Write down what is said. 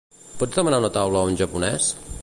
Pots demanar una taula a un japonès?